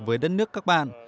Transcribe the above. với đất nước các bạn